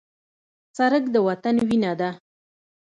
سړک د وطن وینه ده.